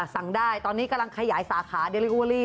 สั่งได้ตอนนี้กำลังขยายสาขาเดริโอลี่